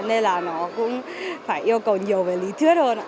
nên là nó cũng phải yêu cầu nhiều về lý thuyết hơn ạ